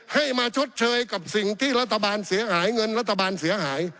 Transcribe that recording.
ให้มาชดเชยกับสิ่งที่รัฐบาลเสียหายเงินรัฐบาลเสียหาย